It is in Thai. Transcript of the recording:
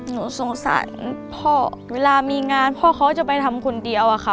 หนูสงสารพ่อเวลามีงานพ่อเขาจะไปทำคนเดียวอะค่ะ